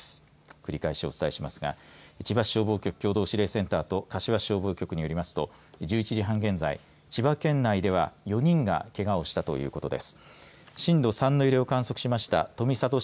繰り返しお伝えしますが千葉市消防局共同指令センターと柏市消防局によりますと１１時半現在千葉県内では４人がけがをしたということです。